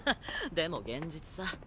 でも現実さ。